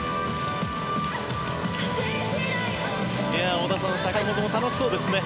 織田さん、坂本も楽しそうですね。